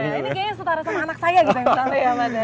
ini kayaknya setara sama anak saya gitu ya mas ya